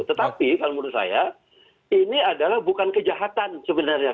tetapi kalau menurut saya ini adalah bukan kejahatan sebenarnya